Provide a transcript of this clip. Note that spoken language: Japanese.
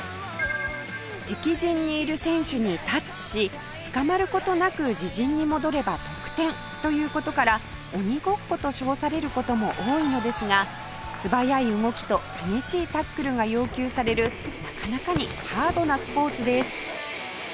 敵陣にいる選手にタッチし捕まる事なく自陣に戻れば得点という事から鬼ごっこと称される事も多いのですが素早い動きと激しいタックルが要求されるなかなかにハードなスポーツです